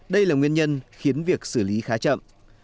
đây là nguyên nhân khiến việc xử lý khá chậm